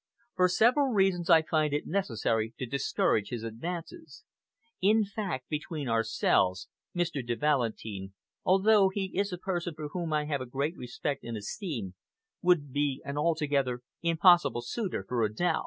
For several reasons, I find it necessary to discourage his advances. In fact, between ourselves, Mr. de Valentin, although he is a person for whom I have a great respect and esteem, would be an altogether impossible suitor for Adèle.